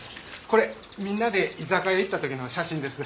これみんなで居酒屋行った時の写真です。